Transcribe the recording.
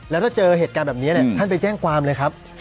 แล้วถ้าเจอเหตุการณ์แบบนี้ท่านไปแจ้งความเลยครับ